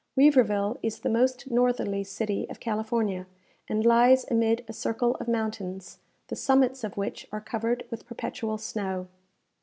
Weaverville is the most northerly city of California, and lies amid a circle of mountains, the summits of which are covered with perpetual snow.